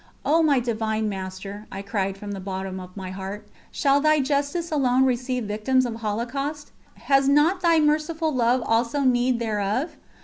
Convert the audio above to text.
"O my Divine Master," I cried from the bottom of my heart, "shall Thy Justice alone receive victims of holocaust? Has not Thy Merciful Love also need thereof?